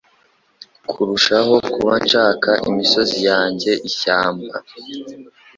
Kurushaho kuba nshaka imisozi yanjye ishyamba;